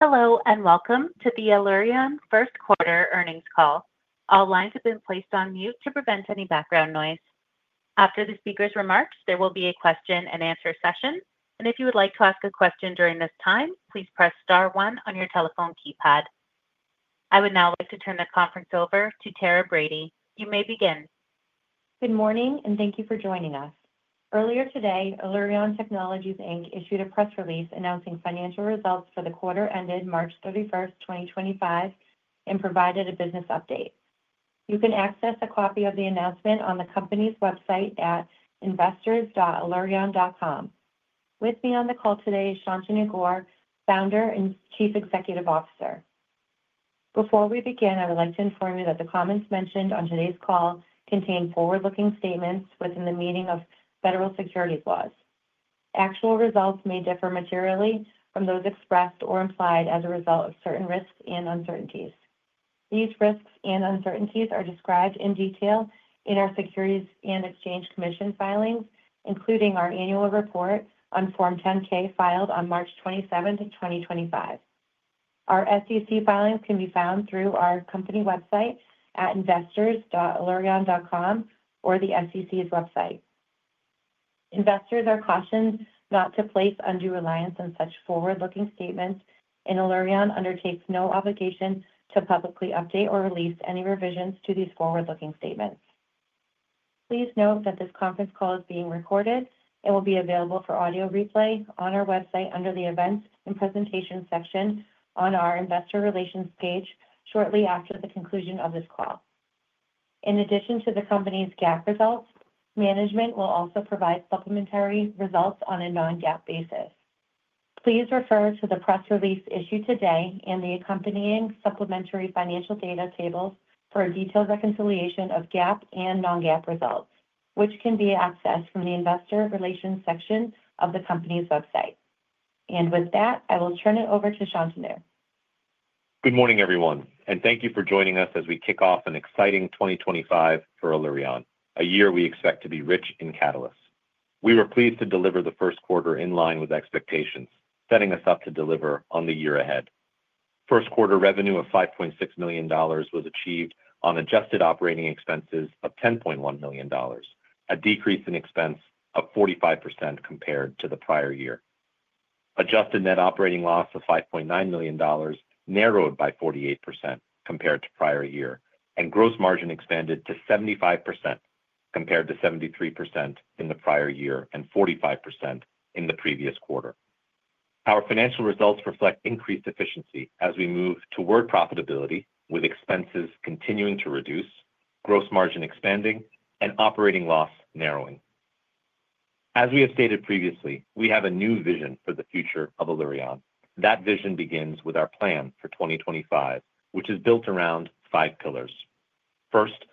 Hello, and welcome to the Allurion first quarter earnings call. All lines have been placed on mute to prevent any background noise. After the speaker's remarks, there will be a question-and-answer session, and if you would like to ask a question during this time, please press star one on your telephone keypad. I would now like to turn the conference over to Tara Brady. You may begin. Good morning, and thank you for joining us. Earlier today, Allurion Technologies Inc issued a press release announcing financial results for the quarter ended March 31st, 2025, and provided a business update. You can access a copy of the announcement on the company's website at investors.allurion.com. With me on the call today is Shantanu Gaur, Founder and Chief Executive Officer. Before we begin, I would like to inform you that the comments mentioned on today's call contain forward-looking statements within the meaning of federal securities laws. Actual results may differ materially from those expressed or implied as a result of certain risks and uncertainties. These risks and uncertainties are described in detail in our Securities and Exchange Commission filings, including our annual report on Form 10-K filed on March 27th, 2025. Our SEC filings can be found through our company website at investors.allurion.com or the SEC's website. Investors are cautioned not to place undue reliance on such forward-looking statements, and Allurion undertakes no obligation to publicly update or release any revisions to these forward-looking statements. Please note that this conference call is being recorded and will be available for audio replay on our website under the events and presentations section on our investor relations page shortly after the conclusion of this call. In addition to the company's GAAP results, management will also provide supplementary results on a non-GAAP basis. Please refer to the press release issued today and the accompanying supplementary financial data tables for a detailed reconciliation of GAAP and non-GAAP results, which can be accessed from the investor relations section of the company's website. With that, I will turn it over to Shantanu. Good morning, everyone, and thank you for joining us as we kick off an exciting 2025 for Allurion, a year we expect to be rich in catalysts. We were pleased to deliver the first quarter in line with expectations, setting us up to deliver on the year ahead. First quarter revenue of $5.6 million was achieved on adjusted operating expenses of $10.1 million, a decrease in expense of 45% compared to the prior year. Adjusted net operating loss of $5.9 million narrowed by 48% compared to prior year, and gross margin expanded to 75% compared to 73% in the prior year and 45% in the previous quarter. Our financial results reflect increased efficiency as we move toward profitability, with expenses continuing to reduce, gross margin expanding, and operating loss narrowing. As we have stated previously, we have a new vision for the future of Allurion. That vision begins with our plan for 2025, which is built around five pillars. First,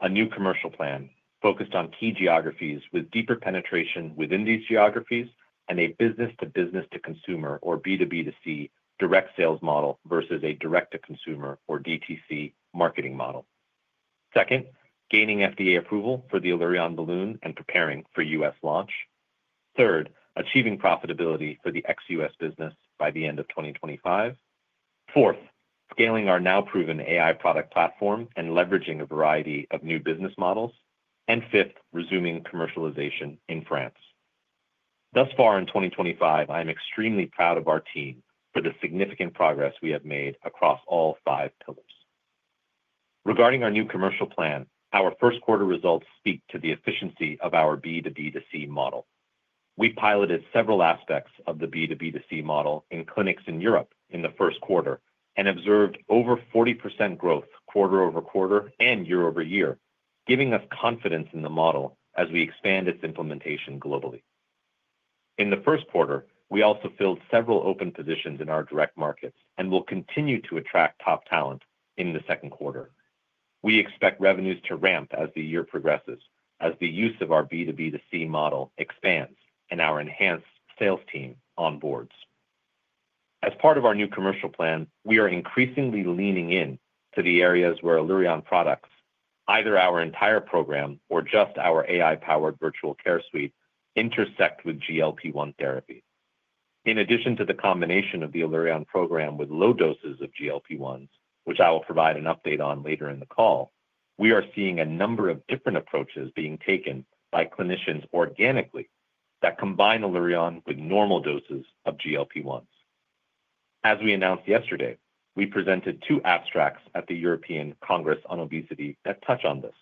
a new commercial plan focused on key geographies with deeper penetration within these geographies and a business-to-business-to-consumer, or B2B2C, direct sales model versus a direct-to-consumer, or DTC, marketing model. Second, gaining FDA approval for the Allurion Balloon and preparing for U.S. launch. Third, achieving profitability for the ex-U.S. business by the end of 2025. Fourth, scaling our now proven AI product platform and leveraging a variety of new business models. Fifth, resuming commercialization in France. Thus far in 2025, I am extremely proud of our team for the significant progress we have made across all five pillars. Regarding our new commercial plan, our first quarter results speak to the efficiency of our B2B2C model. We piloted several aspects of the B2B2C model in clinics in Europe in the first quarter and observed over 40% growth quarter-over-quarter and year-over-year, giving us confidence in the model as we expand its implementation globally. In the first quarter, we also filled several open positions in our direct markets and will continue to attract top talent in the second quarter. We expect revenues to ramp as the year progresses, as the use of our B2B2C model expands and our enhanced sales team onboards. As part of our new commercial plan, we are increasingly leaning into the areas where Allurion products, either our entire program or just our AI-powered Virtual Care Suite, intersect with GLP-1 therapy. In addition to the combination of the Allurion Program with low doses of GLP-1s, which I will provide an update on later in the call, we are seeing a number of different approaches being taken by clinicians organically that combine Allurion with normal doses of GLP-1s. As we announced yesterday, we presented two abstracts at the European Congress on Obesity that touch on this.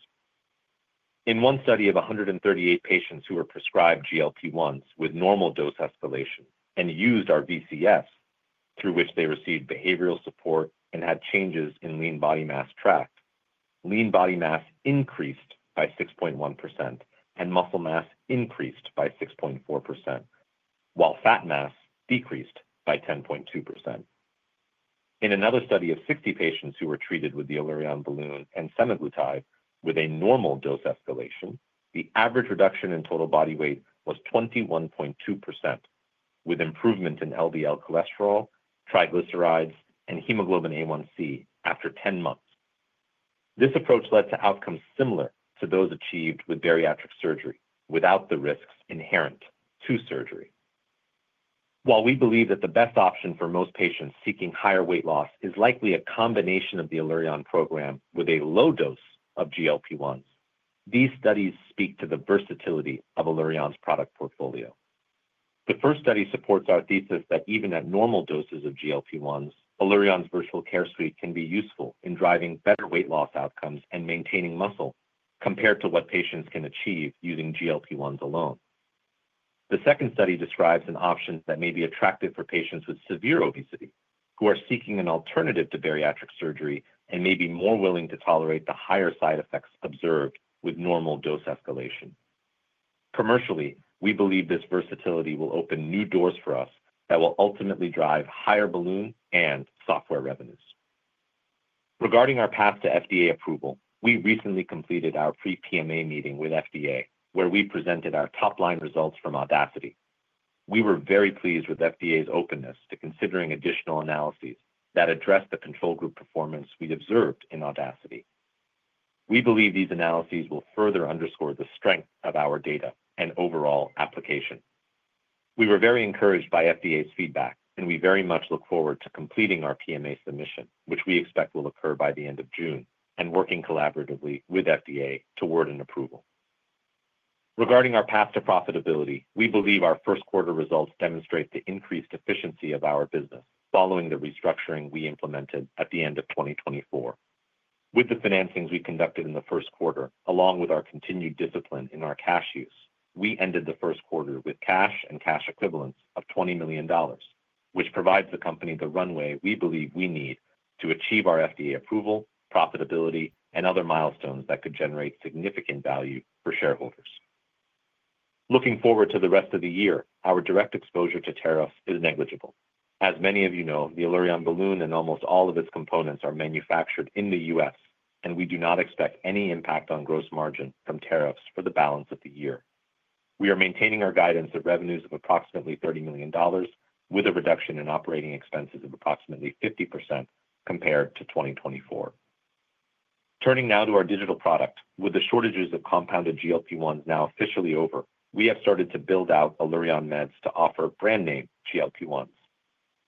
In one study of 138 patients who were prescribed GLP-1s with normal dose escalation and used our VCS, through which they received behavioral support and had changes in lean body mass tracked, lean body mass increased by 6.1% and muscle mass increased by 6.4%, while fat mass decreased by 10.2%. In another study of 60 patients who were treated with the Allurion Balloon and semaglutide with a normal dose escalation, the average reduction in total body weight was 21.2%, with improvement in LDL cholesterol, triglycerides, and hemoglobin A1c after 10 months. This approach led to outcomes similar to those achieved with bariatric surgery without the risks inherent to surgery. While we believe that the best option for most patients seeking higher weight loss is likely a combination of the Allurion Program with a low dose of GLP-1s, these studies speak to the versatility of Allurion's product portfolio. The first study supports our thesis that even at normal doses of GLP-1s, Allurion's Virtual Care Suite can be useful in driving better weight loss outcomes and maintaining muscle compared to what patients can achieve using GLP-1s alone. The second study describes an option that may be attractive for patients with severe obesity who are seeking an alternative to bariatric surgery and may be more willing to tolerate the higher side effects observed with normal dose escalation. Commercially, we believe this versatility will open new doors for us that will ultimately drive higher Balloon and software revenues. Regarding our path to FDA approval, we recently completed our pre-PMA meeting with FDA, where we presented our top-line results from AUDACITY. We were very pleased with FDA's openness to considering additional analyses that address the control group performance we observed in AUDACITY. We believe these analyses will further underscore the strength of our data and overall application. We were very encouraged by FDA's feedback, and we very much look forward to completing our PMA submission, which we expect will occur by the end of June, and working collaboratively with FDA toward an approval. Regarding our path to profitability, we believe our first quarter results demonstrate the increased efficiency of our business following the restructuring we implemented at the end of 2023. With the financings we conducted in the first quarter, along with our continued discipline in our cash use, we ended the first quarter with cash and cash equivalents of $20 million, which provides the company the runway we believe we need to achieve our FDA approval, profitability, and other milestones that could generate significant value for shareholders. Looking forward to the rest of the year, our direct exposure to tariffs is negligible. As many of you know, the Allurion Balloon and almost all of its components are manufactured in the U.S., and we do not expect any impact on gross margin from tariffs for the balance of the year. We are maintaining our guidance of revenues of approximately $30 million, with a reduction in operating expenses of approximately 50% compared to 2024. Turning now to our digital product, with the shortages of compounded GLP-1s now officially over, we have started to build out AllurionMeds to offer brand-name GLP-1s.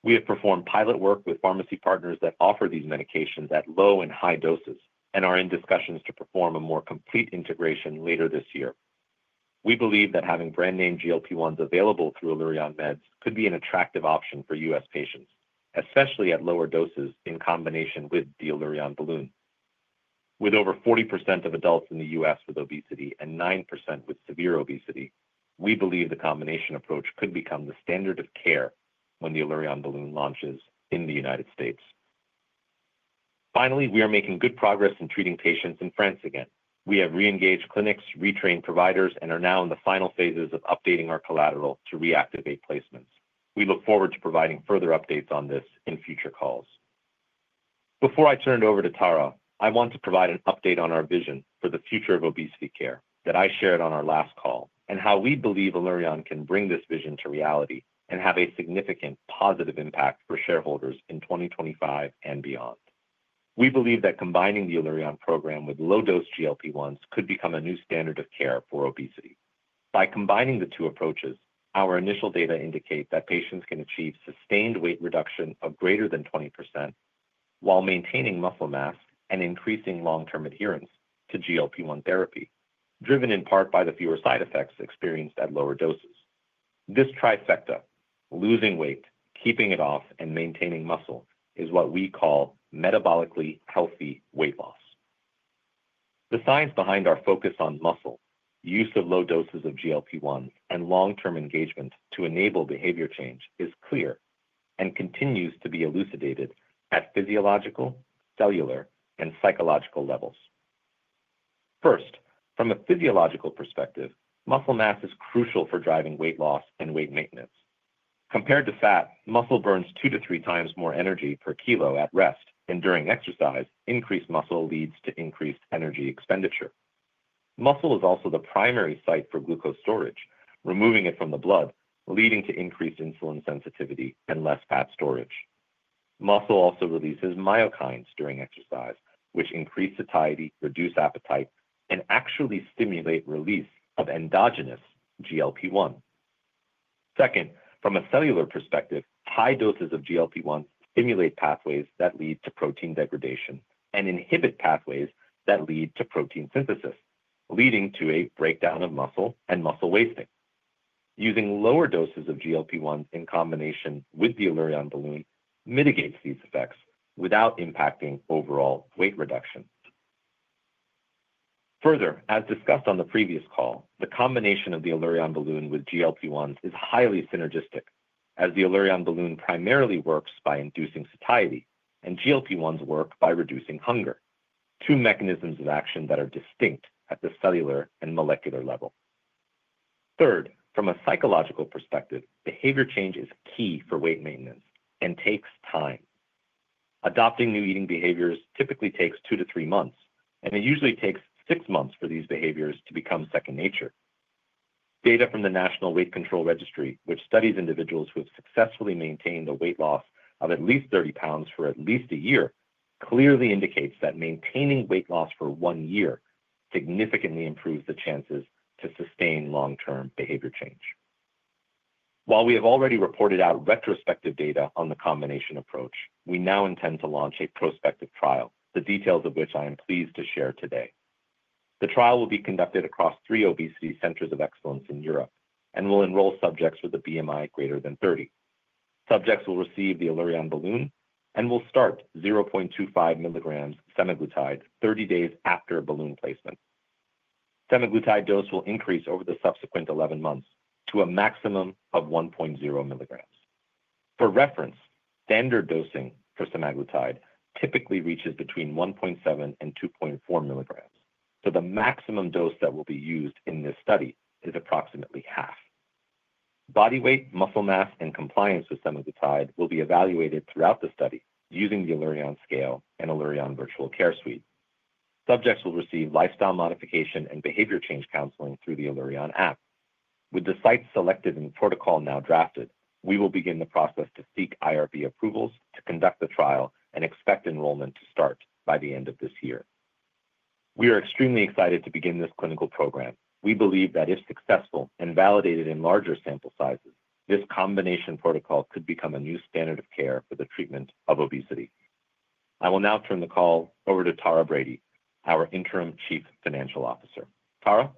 We have performed pilot work with pharmacy partners that offer these medications at low and high doses and are in discussions to perform a more complete integration later this year. We believe that having brand-name GLP-1s available through AllurionMeds could be an attractive option for U.S. patients, especially at lower doses in combination with the Allurion Balloon. With over 40% of adults in the U.S. with obesity and 9% with severe obesity, we believe the combination approach could become the standard of care when the Allurion Balloon launches in the United States. Finally, we are making good progress in treating patients in France again. We have re-engaged clinics, retrained providers, and are now in the final phases of updating our collateral to reactivate placements. We look forward to providing further updates on this in future calls. Before I turn it over to Tara, I want to provide an update on our vision for the future of obesity care that I shared on our last call and how we believe Allurion can bring this vision to reality and have a significant positive impact for shareholders in 2025 and beyond. We believe that combining the Allurion Program with low-dose GLP-1s could become a new standard of care for obesity. By combining the two approaches, our initial data indicate that patients can achieve sustained weight reduction of greater than 20% while maintaining muscle mass and increasing long-term adherence to GLP-1 therapy, driven in part by the fewer side effects experienced at lower doses. This trifecta—losing weight, keeping it off, and maintaining muscle—is what we call metabolically healthy weight loss. The science behind our focus on muscle, use of low doses of GLP-1s, and long-term engagement to enable behavior change is clear and continues to be elucidated at physiological, cellular, and psychological levels. First, from a physiological perspective, muscle mass is crucial for driving weight loss and weight maintenance. Compared to fat, muscle burns 2x-3x more energy per kilo at rest, and during exercise, increased muscle leads to increased energy expenditure. Muscle is also the primary site for glucose storage, removing it from the blood, leading to increased insulin sensitivity and less fat storage. Muscle also releases myokines during exercise, which increase satiety, reduce appetite, and actually stimulate release of endogenous GLP-1. Second, from a cellular perspective, high doses of GLP-1s stimulate pathways that lead to protein degradation and inhibit pathways that lead to protein synthesis, leading to a breakdown of muscle and muscle wasting. Using lower doses of GLP-1s in combination with the Allurion Balloon mitigates these effects without impacting overall weight reduction. Further, as discussed on the previous call, the combination of the Allurion Balloon with GLP-1s is highly synergistic, as the Allurion Balloon primarily works by inducing satiety and GLP-1s work by reducing hunger, two mechanisms of action that are distinct at the cellular and molecular level. Third, from a psychological perspective, behavior change is key for weight maintenance and takes time. Adopting new eating behaviors typically takes 2-3 months, and it usually takes 6 months for these behaviors to become second nature. Data from the National Weight Control Registry, which studies individuals who have successfully maintained a weight loss of at least 30 pounds for at least a year, clearly indicates that maintaining weight loss for one year significantly improves the chances to sustain long-term behavior change. While we have already reported out retrospective data on the combination approach, we now intend to launch a prospective trial, the details of which I am pleased to share today. The trial will be conducted across three obesity centers of excellence in Europe and will enroll subjects with a BMI greater than 30. Subjects will receive the Allurion Balloon and will start 0.25 mg semaglutide 30 days after balloon placement. Semaglutide dose will increase over the subsequent 11 months to a maximum of 1.0 mg. For reference, standard dosing for semaglutide typically reaches between 1.7 mg and 2.4 mg, so the maximum dose that will be used in this study is approximately half. Body weight, muscle mass, and compliance with semaglutide will be evaluated throughout the study using the Allurion Scale and Allurion Virtual Care Suite. Subjects will receive lifestyle modification and behavior change counseling through the Allurion App. With the sites selected and the protocol now drafted, we will begin the process to seek IRB approvals to conduct the trial and expect enrollment to start by the end of this year. We are extremely excited to begin this clinical program. We believe that if successful and validated in larger sample sizes, this combination protocol could become a new standard of care for the treatment of obesity. I will now turn the call over to Tara Brady, our Interim Chief Financial Officer. Tara?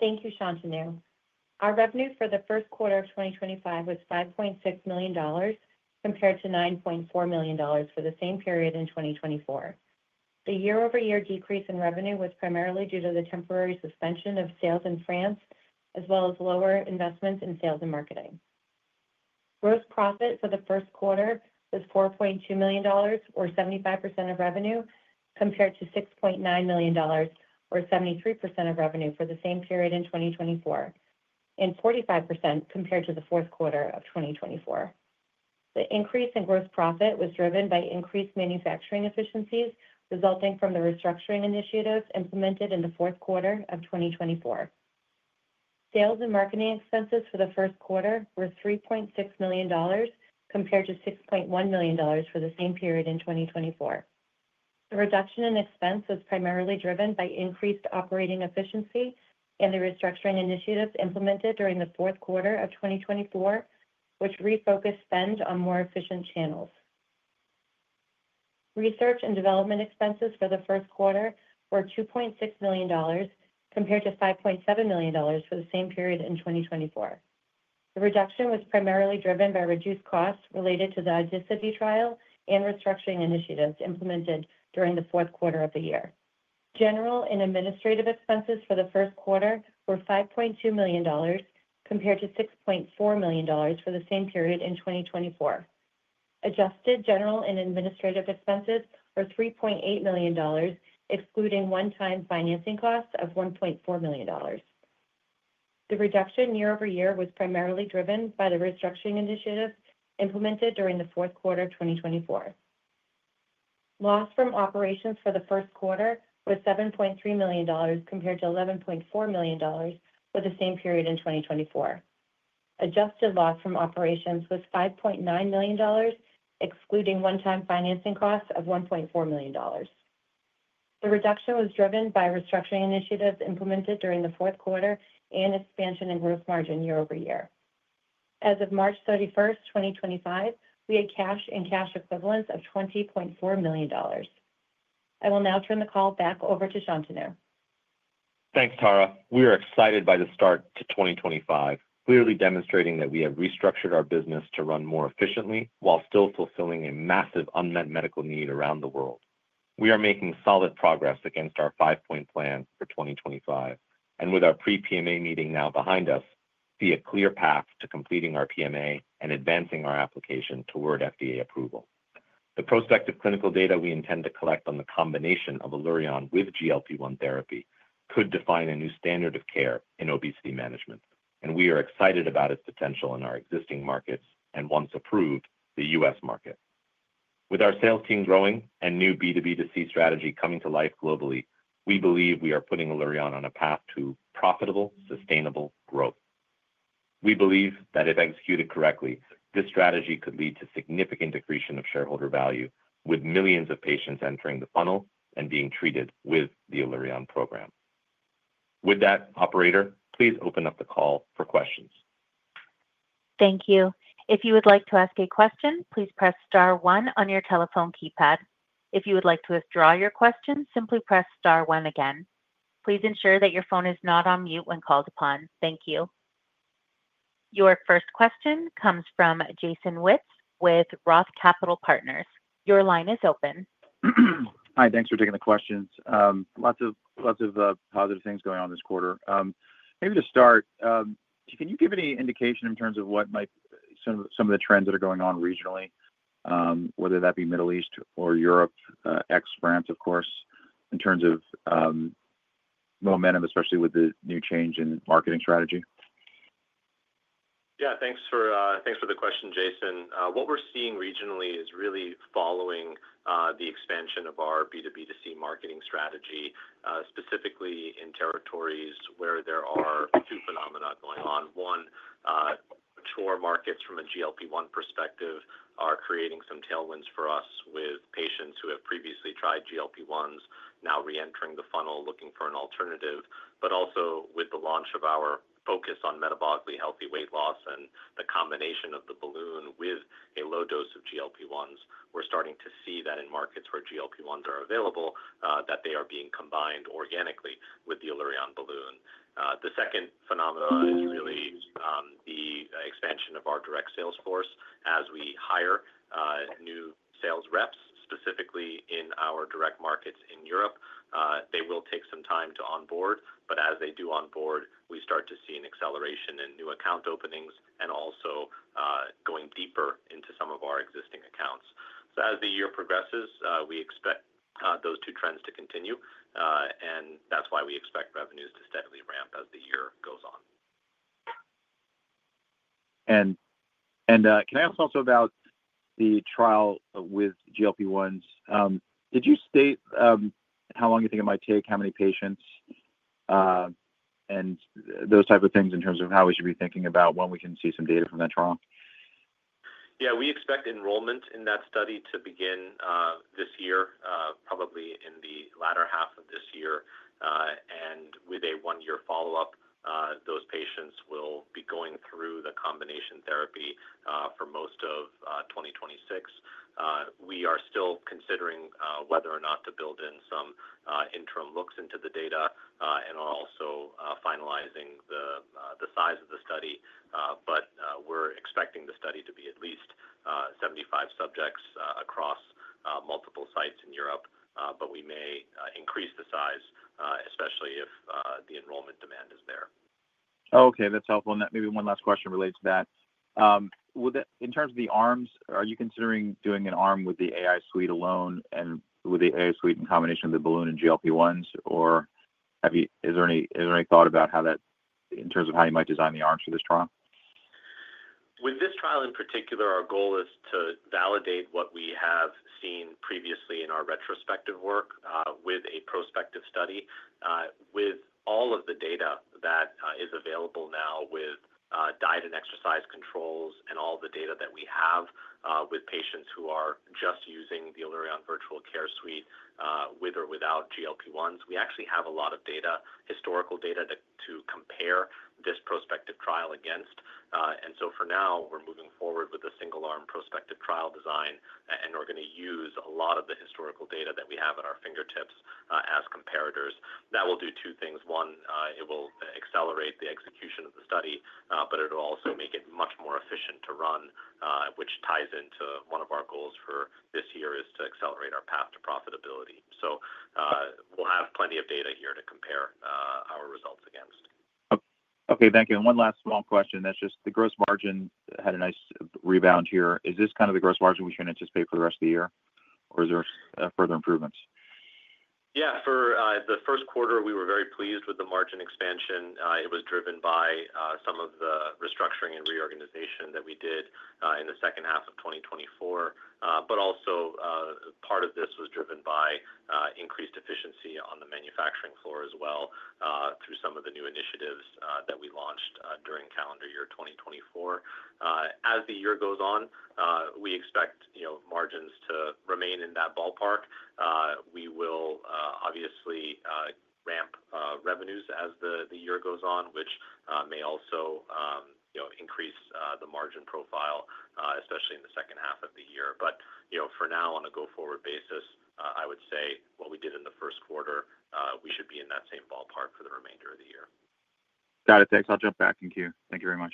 Thank you, Shantanu. Our revenue for the first quarter of 2025 was $5.6 million compared to $9.4 million for the same period in 2024. The year-over-year decrease in revenue was primarily due to the temporary suspension of sales in France, as well as lower investments in sales and marketing. Gross profit for the first quarter was $4.2 million, or 75% of revenue, compared to $6.9 million, or 73% of revenue for the same period in 2024, and 45% compared to the fourth quarter of 2024. The increase in gross profit was driven by increased manufacturing efficiencies resulting from the restructuring initiatives implemented in the fourth quarter of 2024. Sales and marketing expenses for the first quarter were $3.6 million compared to $6.1 million for the same period in 2024. The reduction in expense was primarily driven by increased operating efficiency and the restructuring initiatives implemented during the fourth quarter of 2024, which refocused spend on more efficient channels. Research and development expenses for the first quarter were $2.6 million compared to $5.7 million for the same period in 2024. The reduction was primarily driven by reduced costs related to the AUDACITY trial and restructuring initiatives implemented during the fourth quarter of the year. General and administrative expenses for the first quarter were $5.2 million compared to $6.4 million for the same period in 2024. Adjusted general and administrative expenses were $3.8 million, excluding one-time financing costs of $1.4 million. The reduction year-over-year was primarily driven by the restructuring initiatives implemented during the fourth quarter of 2024. Loss from operations for the first quarter was $7.3 million compared to $11.4 million for the same period in 2024. Adjusted loss from operations was $5.9 million, excluding one-time financing costs of $1.4 million. The reduction was driven by restructuring initiatives implemented during the fourth quarter and expansion in gross margin year-over-year. As of March 31st, 2025, we had cash and cash equivalents of $20.4 million. I will now turn the call back over to Shantanu. Thanks, Tara. We are excited by the start to 2025, clearly demonstrating that we have restructured our business to run more efficiently while still fulfilling a massive unmet medical need around the world. We are making solid progress against our five-point plan for 2025, and with our pre-PMA meeting now behind us, see a clear path to completing our PMA and advancing our application toward FDA approval. The prospective clinical data we intend to collect on the combination of Allurion with GLP-1 therapy could define a new standard of care in obesity management, and we are excited about its potential in our existing markets and, once approved, the U.S. market. With our sales team growing and new B2B2C strategy coming to life globally, we believe we are putting Allurion on a path to profitable, sustainable growth. We believe that if executed correctly, this strategy could lead to significant decreasing of shareholder value, with millions of patients entering the funnel and being treated with the Allurion program. With that, Operator, please open up the call for questions. Thank you. If you would like to ask a question, please press star one on your telephone keypad. If you would like to withdraw your question, simply press star one again. Please ensure that your phone is not on mute when called upon. Thank you. Your first question comes from Jason Wittes with ROTH Capital Partners. Your line is open. Hi. Thanks for taking the questions. Lots of positive things going on this quarter. Maybe to start, can you give any indication in terms of what might some of the trends that are going on regionally, whether that be Middle East or Europe, ex-France, of course, in terms of momentum, especially with the new change in marketing strategy? Yeah. Thanks for the question, Jason. What we're seeing regionally is really following the expansion of our B2B2C marketing strategy, specifically in territories where there are two phenomena going on. One, mature markets from a GLP-1 perspective are creating some tailwinds for us with patients who have previously tried GLP-1s, now re-entering the funnel looking for an alternative. Also, with the launch of our focus on metabolically healthy weight loss and the combination of the balloon with a low dose of GLP-1s, we're starting to see that in markets where GLP-1s are available, they are being combined organically with the Allurion Balloon. The second phenomenon is really the expansion of our direct sales force as we hire new sales reps, specifically in our direct markets in Europe. They will take some time to onboard, but as they do onboard, we start to see an acceleration in new account openings and also going deeper into some of our existing accounts. As the year progresses, we expect those two trends to continue, and that is why we expect revenues to steadily ramp as the year goes on. Can I ask also about the trial with GLP-1s? Did you state how long you think it might take, how many patients, and those types of things in terms of how we should be thinking about when we can see some data from that trial? Yeah. We expect enrollment in that study to begin this year, probably in the latter half of this year, and with a one-year follow-up, those patients will be going through the combination therapy for most of 2026. We are still considering whether or not to build in some interim looks into the data and are also finalizing the size of the study, but we're expecting the study to be at least 75 subjects across multiple sites in Europe, but we may increase the size, especially if the enrollment demand is there. Okay. That's helpful. Maybe one last question related to that. In terms of the arms, are you considering doing an arm with the AI suite alone and with the AI suite in combination with the balloon and GLP-1s, or is there any thought about how that in terms of how you might design the arms for this trial? With this trial in particular, our goal is to validate what we have seen previously in our retrospective work with a prospective study. With all of the data that is available now with diet and exercise controls and all the data that we have with patients who are just using the Allurion Virtual Care Suite with or without GLP-1s, we actually have a lot of historical data to compare this prospective trial against. For now, we're moving forward with a single-arm prospective trial design, and we're going to use a lot of the historical data that we have at our fingertips as comparators. That will do two things. One, it will accelerate the execution of the study, but it'll also make it much more efficient to run, which ties into one of our goals for this year, is to accelerate our path to profitability. We'll have plenty of data here to compare our results against. Okay. Thank you. One last small question. That's just the gross margin had a nice rebound here. Is this kind of the gross margin we should anticipate for the rest of the year, or is there further improvements? Yeah. For the first quarter, we were very pleased with the margin expansion. It was driven by some of the restructuring and reorganization that we did in the second half of 2024, but also part of this was driven by increased efficiency on the manufacturing floor as well through some of the new initiatives that we launched during calendar year 2024. As the year goes on, we expect margins to remain in that ballpark. We will obviously ramp revenues as the year goes on, which may also increase the margin profile, especially in the second half of the year. For now, on a go-forward basis, I would say what we did in the first quarter, we should be in that same ballpark for the remainder of the year. Got it. Thanks. I'll jump back in here. Thank you very much.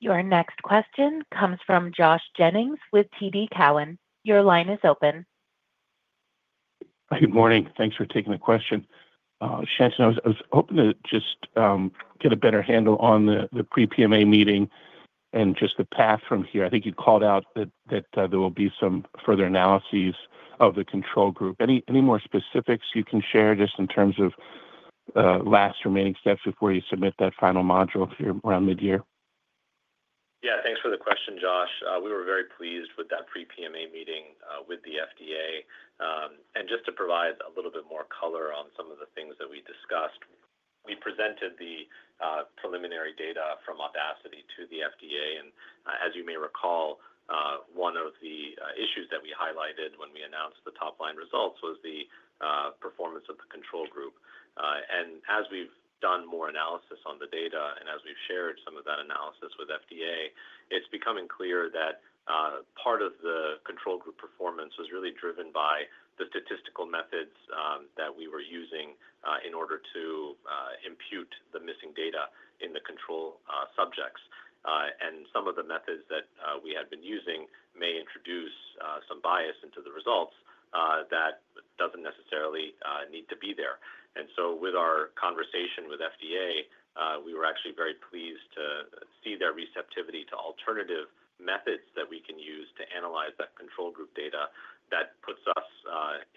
Your next question comes from Josh Jennings with TD Cowen. Your line is open. Good morning. Thanks for taking the question. Shantanu, I was hoping to just get a better handle on the pre-PMA meeting and just the path from here. I think you called out that there will be some further analyses of the control group. Any more specifics you can share just in terms of last remaining steps before you submit that final module around mid-year? Yeah. Thanks for the question, Josh. We were very pleased with that pre-PMA meeting with the FDA. Just to provide a little bit more color on some of the things that we discussed, we presented the preliminary data from AUDACITY to the FDA. As you may recall, one of the issues that we highlighted when we announced the top-line results was the performance of the control group. As we've done more analysis on the data and as we've shared some of that analysis with FDA, it's becoming clear that part of the control group performance was really driven by the statistical methods that we were using in order to impute the missing data in the control subjects. Some of the methods that we had been using may introduce some bias into the results that doesn't necessarily need to be there. With our conversation with FDA, we were actually very pleased to see their receptivity to alternative methods that we can use to analyze that control group data that puts us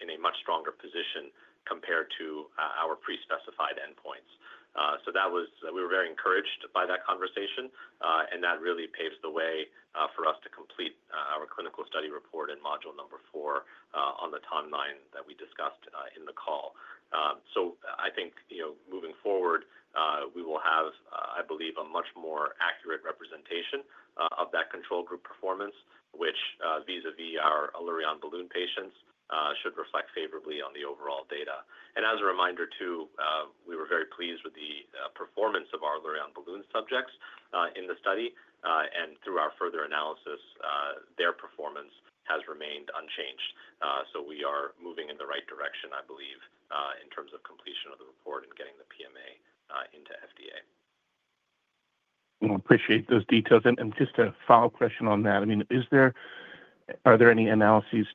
in a much stronger position compared to our pre-specified endpoints. We were very encouraged by that conversation, and that really paves the way for us to complete our clinical study report in module number four on the timeline that we discussed in the call. I think moving forward, we will have, I believe, a much more accurate representation of that control group performance, which vis-à-vis our Allurion Balloon patients should reflect favorably on the overall data. As a reminder too, we were very pleased with the performance of our Allurion Balloon subjects in the study. Through our further analysis, their performance has remained unchanged. We are moving in the right direction, I believe, in terms of completion of the report and getting the PMA into the FDA. I appreciate those details. Just a follow-up question on that. I mean, are there any analyses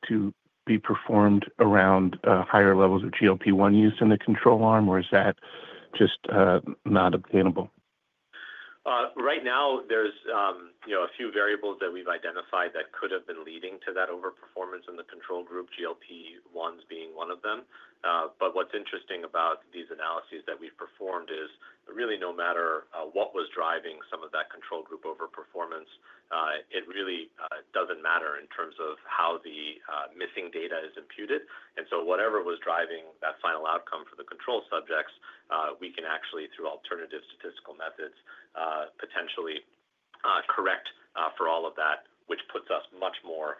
to be performed around higher levels of GLP-1 use in the control arm, or is that just not obtainable? Right now, there are a few variables that we've identified that could have been leading to that overperformance in the control group, GLP-1s being one of them. What's interesting about these analyses that we've performed is really no matter what was driving some of that control group overperformance, it really does not matter in terms of how the missing data is imputed. Whatever was driving that final outcome for the control subjects, we can actually, through alternative statistical methods, potentially correct for all of that, which puts us much more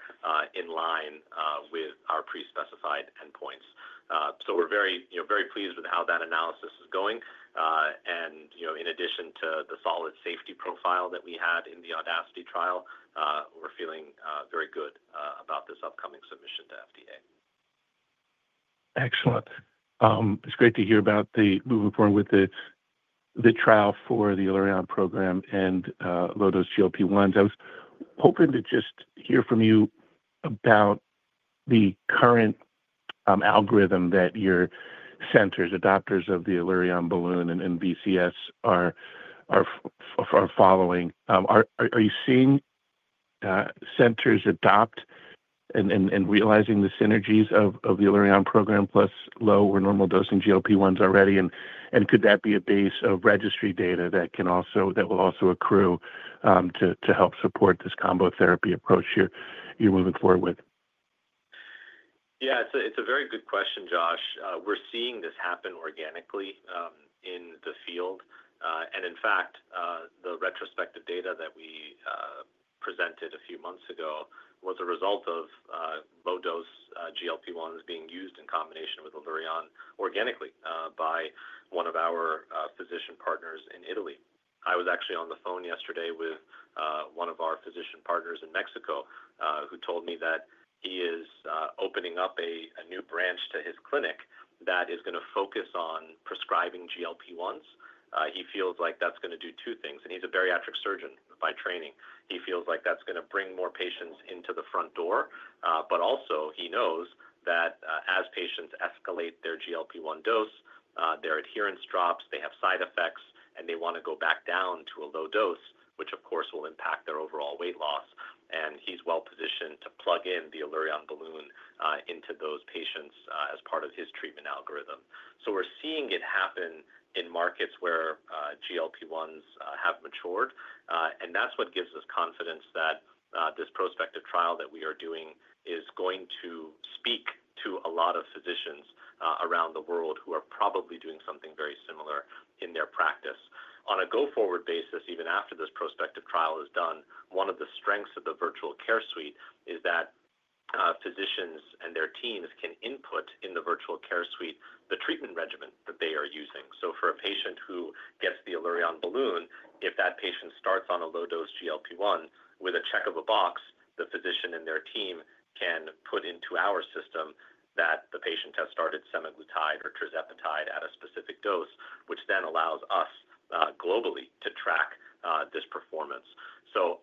in line with our pre-specified endpoints. We are very pleased with how that analysis is going. In addition to the solid safety profile that we had in the AUDACITY trial, we're feeling very good about this upcoming submission to the FDA. Excellent. It's great to hear about moving forward with the trial for the Allurion Program and low-dose GLP-1s. I was hoping to just hear from you about the current algorithm that your centers, adopters of the Allurion Balloon and VCS, are following. Are you seeing centers adopt and realizing the synergies of the Allurion Program plus low or normal dosing GLP-1s already? And could that be a base of registry data that will also accrue to help support this combo therapy approach you're moving forward with? Yeah. It's a very good question, Josh. We're seeing this happen organically in the field. In fact, the retrospective data that we presented a few months ago was a result of low-dose GLP-1s being used in combination with Allurion organically by one of our physician partners in Italy. I was actually on the phone yesterday with one of our physician partners in Mexico who told me that he is opening up a new branch to his clinic that is going to focus on prescribing GLP-1s. He feels like that's going to do two things. He's a bariatric surgeon by training. He feels like that's going to bring more patients into the front door. He also knows that as patients escalate their GLP-1 dose, their adherence drops, they have side effects, and they want to go back down to a low dose, which, of course, will impact their overall weight loss. He is well-positioned to plug in the Allurion Balloon into those patients as part of his treatment algorithm. We are seeing it happen in markets where GLP-1s have matured. That is what gives us confidence that this prospective trial that we are doing is going to speak to a lot of physicians around the world who are probably doing something very similar in their practice. On a go-forward basis, even after this prospective trial is done, one of the strengths of the Virtual Care Suite is that physicians and their teams can input in the Virtual Care Suite the treatment regimen that they are using. For a patient who gets the Allurion Balloon, if that patient starts on a low-dose GLP-1 with a check of a box, the physician and their team can put into our system that the patient has started semaglutide or tirzepatide at a specific dose, which then allows us globally to track this performance.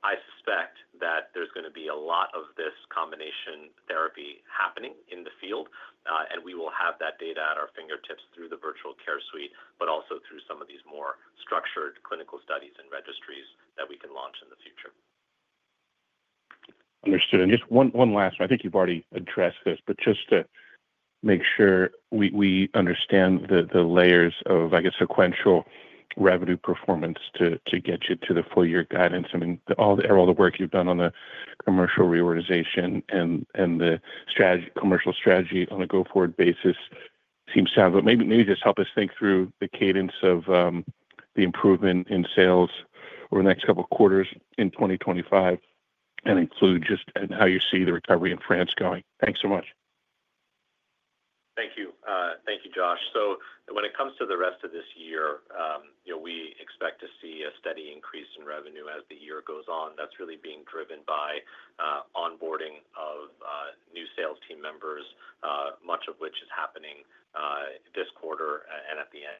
I suspect that there's going to be a lot of this combination therapy happening in the field, and we will have that data at our fingertips through the Virtual Care Suite, but also through some of these more structured clinical studies and registries that we can launch in the future. Understood. Just one last one. I think you've already addressed this, but just to make sure we understand the layers of, I guess, sequential revenue performance to get you to the full-year guidance. I mean, all the work you've done on the commercial reorganization and the commercial strategy on a go-forward basis seems to have, but maybe just help us think through the cadence of the improvement in sales over the next couple of quarters in 2025 and include just how you see the recovery in France going. Thanks so much. Thank you. Thank you, Josh. When it comes to the rest of this year, we expect to see a steady increase in revenue as the year goes on. That's really being driven by onboarding of new sales team members, much of which is happening this quarter and at the end.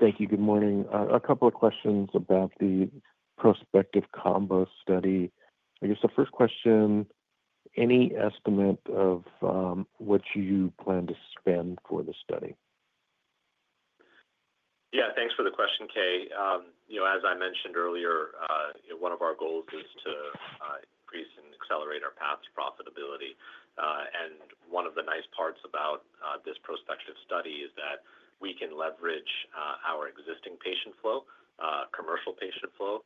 Thank you. Good morning. A couple of questions about the prospective combo study. I guess the first question, any estimate of what you plan to spend for the study? Yeah. Thanks for the question, Keay. As I mentioned earlier, one of our goals is to increase and accelerate our path to profitability. One of the nice parts about this prospective study is that we can leverage our existing patient flow, commercial patient flow,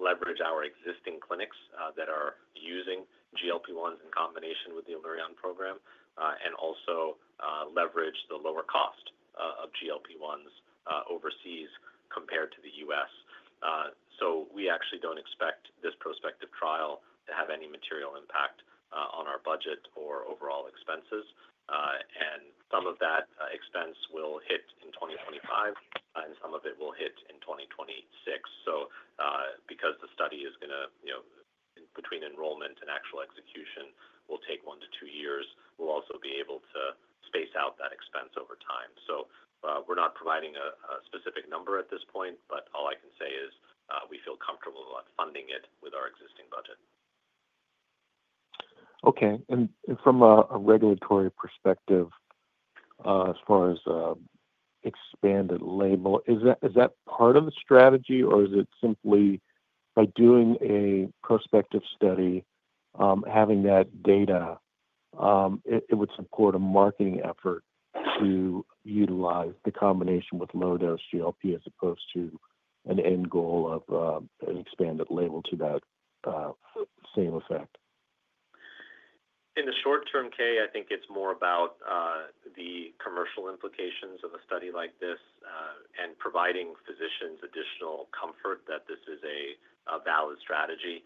leverage our existing clinics that are using GLP-1s in combination with the Allurion Program, and also leverage the lower cost of GLP-1s overseas compared to the U.S. We actually do not expect this prospective trial to have any material impact on our budget or overall expenses. Some of that expense will hit in 2025, and some of it will hit in 2026. Because the study is going to, between enrollment and actual execution, will take 1-2 years, we will also be able to space out that expense over time. We're not providing a specific number at this point, but all I can say is we feel comfortable funding it with our existing budget. Okay. From a regulatory perspective, as far as expanded label, is that part of the strategy, or is it simply by doing a prospective study, having that data, it would support a marketing effort to utilize the combination with low-dose GLP as opposed to an end goal of an expanded label to that same effect? In the short term, Kay, I think it's more about the commercial implications of a study like this and providing physicians additional comfort that this is a valid strategy.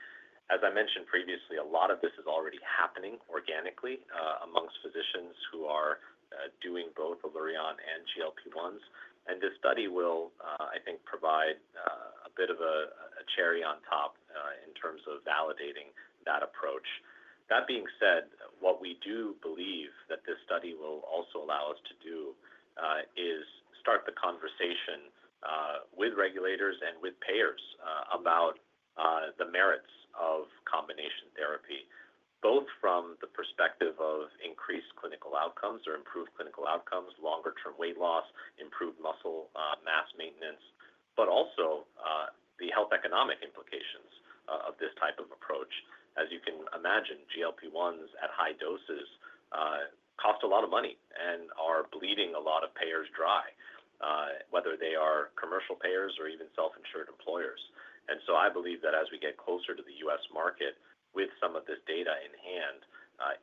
As I mentioned previously, a lot of this is already happening organically amongst physicians who are doing both Allurion and GLP-1s. This study will, I think, provide a bit of a cherry on top in terms of validating that approach. That being said, what we do believe that this study will also allow us to do is start the conversation with regulators and with payers about the merits of combination therapy, both from the perspective of increased clinical outcomes or improved clinical outcomes, longer-term weight loss, improved muscle mass maintenance, but also the health economic implications of this type of approach. As you can imagine, GLP-1s at high doses cost a lot of money and are bleeding a lot of payers dry, whether they are commercial payers or even self-insured employers. I believe that as we get closer to the U.S. market, with some of this data in hand,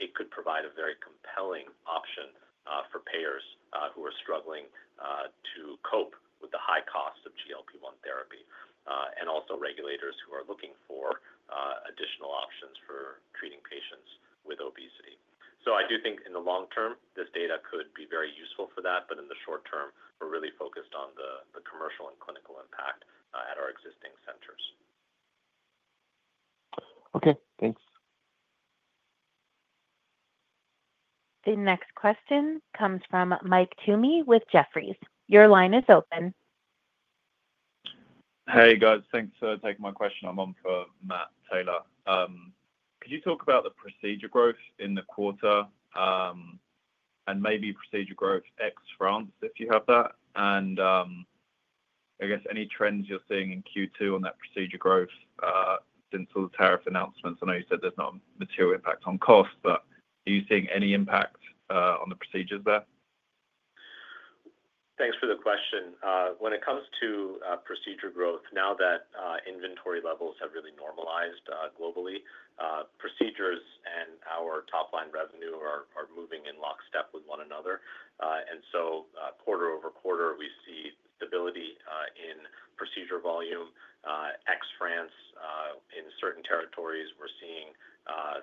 it could provide a very compelling option for payers who are struggling to cope with the high cost of GLP-1 therapy and also regulators who are looking for additional options for treating patients with obesity. I do think in the long term, this data could be very useful for that. In the short term, we're really focused on the commercial and clinical impact at our existing centers. Okay. Thanks. The next question comes from Mike Toomey with Jefferies. Your line is open. Hey, guys. Thanks for taking my question. I'm on for Matt Taylor. Could you talk about the procedure growth in the quarter and maybe procedure growth ex-France, if you have that? I guess any trends you're seeing in Q2 on that procedure growth since all the tariff announcements? I know you said there's not a material impact on cost, but are you seeing any impact on the procedures there? Thanks for the question. When it comes to procedure growth, now that inventory levels have really normalized globally, procedures and our top-line revenue are moving in lockstep with one another. Quarter-over-quarter, we see stability in procedure volume. Ex-France, in certain territories, we're seeing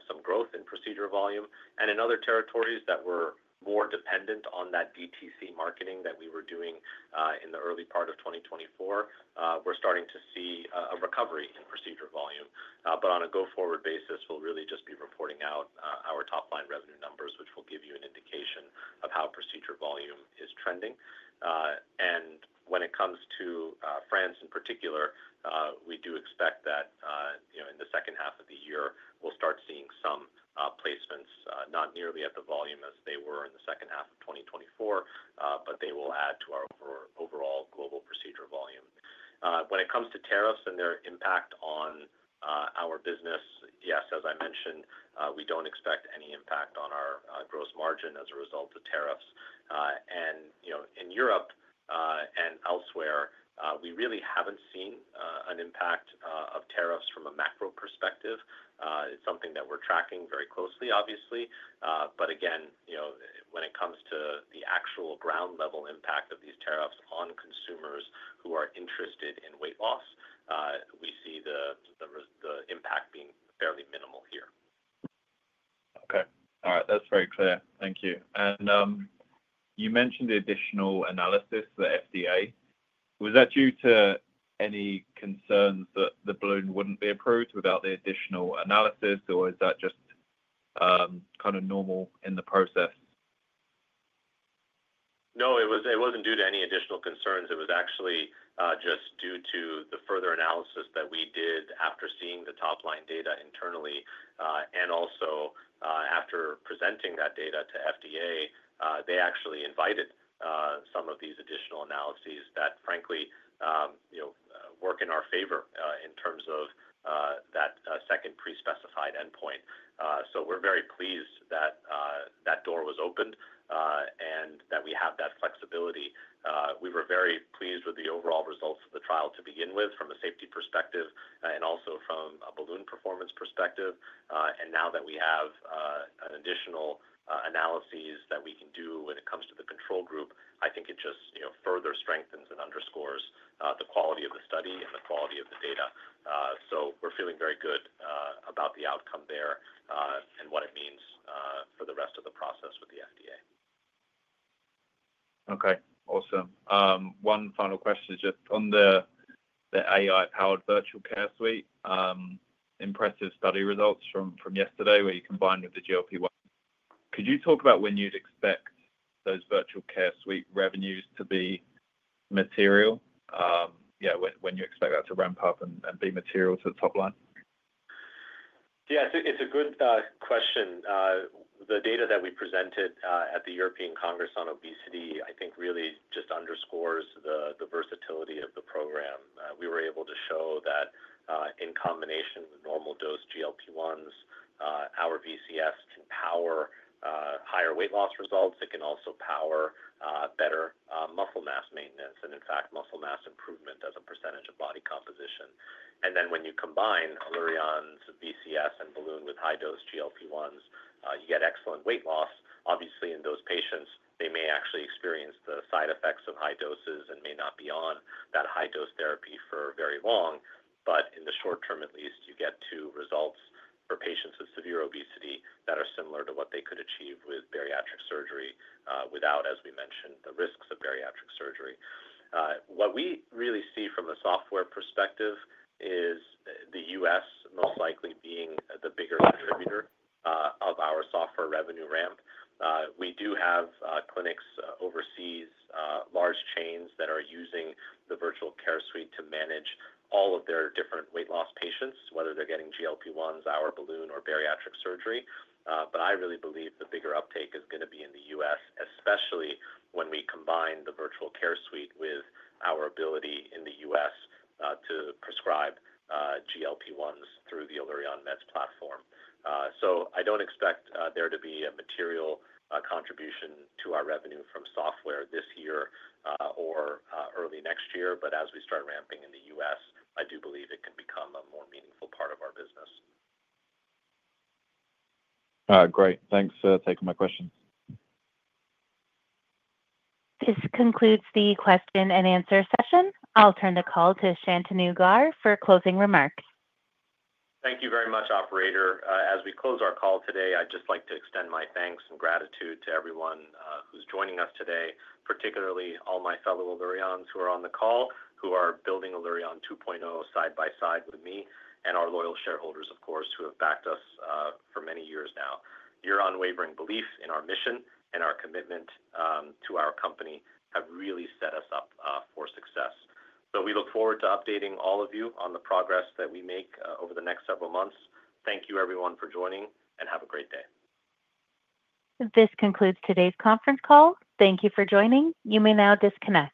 some growth in procedure volume. In other territories that were more dependent on that DTC marketing that we were doing in the early part of 2024, we're starting to see a recovery in procedure volume. On a go-forward basis, we'll really just be reporting out our top-line revenue numbers, which will give you an indication of how procedure volume is trending. When it comes to France in particular, we do expect that in the second half of the year, we'll start seeing some placements, not nearly at the volume as they were in the second half of 2024, but they will add to our overall global procedure volume. When it comes to tariffs and their impact on our business, yes, as I mentioned, we don't expect any impact on our gross margin as a result of tariffs. In Europe and elsewhere, we really haven't seen an impact of tariffs from a macro perspective. It's something that we're tracking very closely, obviously. Again, when it comes to the actual ground-level impact of these tariffs on consumers who are interested in weight loss, we see the impact being fairly minimal here. Okay. All right. That's very clear. Thank you. You mentioned the additional analysis, the FDA. Was that due to any concerns that the balloon would not be approved without the additional analysis, or is that just kind of normal in the process? No, it was not due to any additional concerns. It was actually just due to the further analysis that we did after seeing the top-line data internally. Also, after presenting that data to FDA, they actually invited some of these additional analyses that, frankly, work in our favor in terms of that second pre-specified endpoint. We are very pleased that that door was opened and that we have that flexibility. We were very pleased with the overall results of the trial to begin with from a safety perspective and also from a balloon performance perspective. Now that we have additional analyses that we can do when it comes to the control group, I think it just further strengthens and underscores the quality of the study and the quality of the data. We are feeling very good about the outcome there and what it means for the rest of the process with the FDA. Okay. Awesome. One final question just on the AI-powered Virtual Care Suite. Impressive study results from yesterday where you combined with the GLP-1. Could you talk about when you would expect those Virtual Care Suite revenues to be material? Yeah, when you expect that to ramp up and be material to the top line? Yeah. It is a good question. The data that we presented at the European Congress on Obesity, I think, really just underscores the versatility of the program. We were able to show that in combination with normal-dose GLP-1s, our VCS can power higher weight loss results. It can also power better muscle mass maintenance and, in fact, muscle mass improvement as a percentage of body composition. When you combine Allurion's VCS and Balloon with high-dose GLP-1s, you get excellent weight loss. Obviously, in those patients, they may actually experience the side effects of high doses and may not be on that high-dose therapy for very long. In the short term, at least, you get two results for patients with severe obesity that are similar to what they could achieve with bariatric surgery without, as we mentioned, the risks of bariatric surgery. What we really see from a software perspective is the U.S. most likely being the bigger contributor of our software revenue ramp. We do have clinics overseas, large chains that are using the Virtual Care Suite to manage all of their different weight loss patients, whether they're getting GLP-1s, our balloon, or bariatric surgery. I really believe the bigger uptake is going to be in the U.S., especially when we combine the Virtual Care Suite with our ability in the U.S. to prescribe GLP-1s through the AllurionMeds platform. I do not expect there to be a material contribution to our revenue from software this year or early next year. As we start ramping in the U.S., I do believe it can become a more meaningful part of our business. Great. Thanks for taking my questions. This concludes the question and answer session. I'll turn the call to Shantanu Gaur for closing remarks. Thank you very much, Operator. As we close our call today, I'd just like to extend my thanks and gratitude to everyone who's joining us today, particularly all my fellow Allurions who are on the call, who are building Allurion 2.0 side-by-side with me, and our loyal shareholders, of course, who have backed us for many years now. Your unwavering belief in our mission and our commitment to our company have really set us up for success. We look forward to updating all of you on the progress that we make over the next several months. Thank you, everyone, for joining, and have a great day. This concludes today's conference call. Thank you for joining. You may now disconnect.